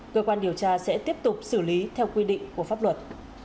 cơ quan điều tra sẽ tiếp tục xử lý theo quy định của pháp luật